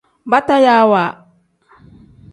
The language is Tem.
Batayaawa.